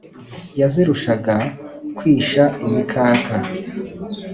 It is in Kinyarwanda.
Yazirushaga kwisha imikaka